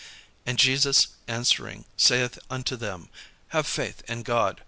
And Jesus answering saith unto them, "Have faith in God.